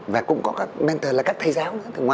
và cũng có các mentor là các thầy giáo ngoài các thầy giáo đó